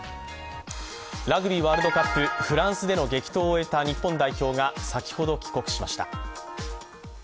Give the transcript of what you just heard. ラグビーワールドカップ、フランスでの激闘を終えた日本代表が先ほど帰国しました。